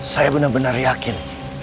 saya benar benar yakin